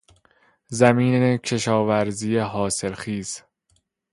زمین کشاورزی حاصلخیز